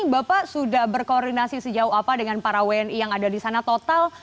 bapak sudah berkoordinasi sejauh apa dengan para wni yang ada di sana total